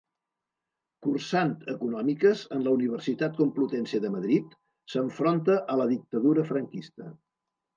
Cursant Econòmiques en la Universitat Complutense de Madrid, s'enfronta a la dictadura franquista.